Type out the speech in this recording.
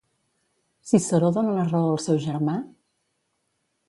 Ciceró dona la raó al seu germà?